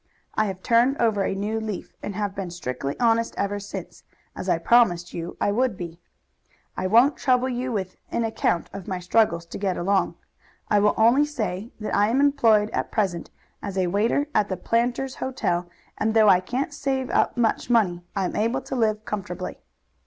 I have turned over a new leaf, and have been strictly honest ever since, as I promised you I would be. I won't trouble you with an account of my struggles to get along. I will only say that I am employed at present as a waiter at the Planters' Hotel, and though I can't save up much money, I am able to live comfortably.